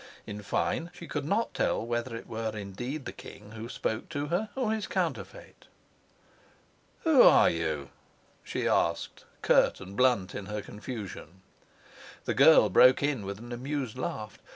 In fine, she could not tell whether it were indeed the king who spoke to her or his counterfeit. "Who are you?" she asked, curt and blunt in her confusion. The girl broke in with an amused laugh.